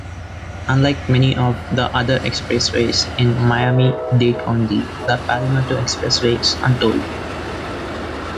Unlike many of the other expressways in Miami-Dade County, the Palmetto Expressway is untolled.